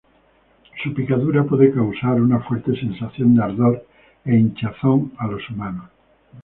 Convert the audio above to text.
Su picadura puede causar una fuerte sensación de ardor e hinchazón a los humanos.